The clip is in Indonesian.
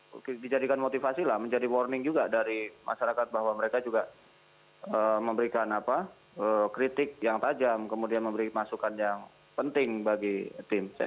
kalau dijadikan motivasi lah menjadi warning juga dari masyarakat bahwa mereka juga memberikan kritik yang tajam kemudian memberi masukan yang penting bagi tim